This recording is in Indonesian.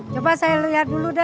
coba saya lihat dulu deh